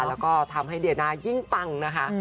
แล้วก็ทำให้เดียน่ายิ่งปังนะคะ